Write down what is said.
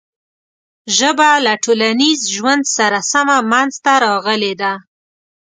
ژبه له ټولنیز ژوند سره سمه منځ ته راغلې ده.